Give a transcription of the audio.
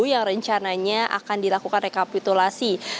yang rencananya akan dilakukan rekapitulasi